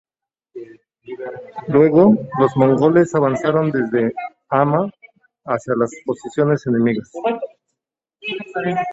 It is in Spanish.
Luego, los mongoles avanzaron desde Hama hacia las posiciones enemigas.